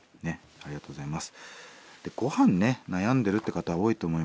ありがとうございます。